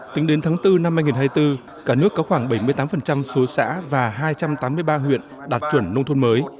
tính đến tháng bốn năm hai nghìn hai mươi bốn cả nước có khoảng bảy mươi tám số xã và hai trăm tám mươi ba huyện đạt chuẩn nông thôn mới